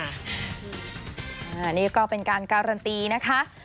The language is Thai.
อันนี้ก็เป็นการการันตีนะคะ